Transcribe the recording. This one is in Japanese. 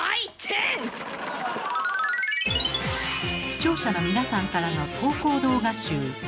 視聴者の皆さんからの投稿動画集。